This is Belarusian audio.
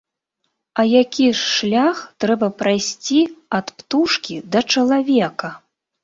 А які ж шлях трэба прайсці ад птушкі да чалавека!